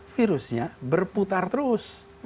virusnya berputar terus